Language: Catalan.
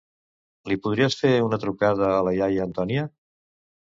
Li podries fer una trucada a la iaia Antònia?